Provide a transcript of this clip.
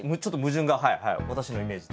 私のイメージと。